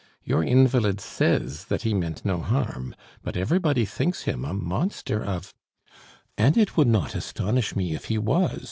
Your invalid says that he meant no harm, but everybody thinks him a monster of " "And it would not astonish me if he was!"